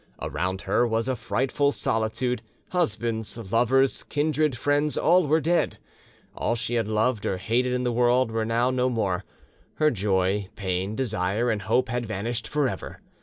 Around her was a frightful solitude: husbands, lovers, kindred, friends, all were dead; all she had loved or hated in the world were now no more; her joy, pain, desire, and hope had vanished for ever.